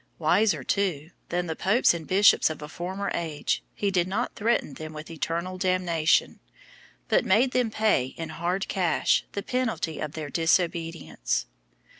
Wiser, too, than the popes and bishops of a former age, he did not threaten them with eternal damnation, but made them pay in hard cash the penalty of their disobedience.